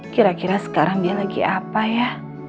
kira kira sekarang dia lagi apa ya